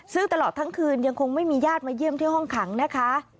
ซึ่งตลอดทั้งคืนยังคงไม่มีญาติมาเยี่ยมที่ห้องขังนะคะ